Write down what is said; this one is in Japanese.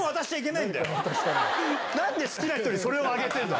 なんで好きな人にそれをあげてるの？